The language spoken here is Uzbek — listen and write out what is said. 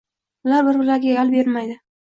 Ular bir-birlariga gal bermaydi.